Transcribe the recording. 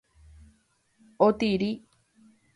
Otiri